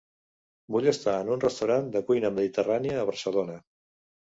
Vull estar en un restaurant de cuina mediterrània a Barcelona.